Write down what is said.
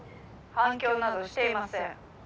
反響などしていません。